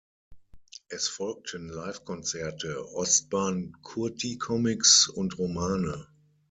Es folgten Livekonzerte, Ostbahn-Kurti-Comics und Romane.